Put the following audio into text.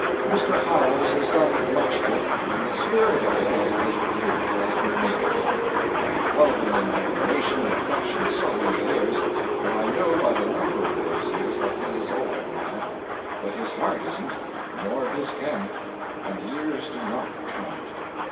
Mr. Howells has done much work, and the spirit of it is as beautiful as the make of it. I have held him in admiration and affection so many years that I know by the number of those years that he is old now; but his heart isn't, nor his pen; and years do not count.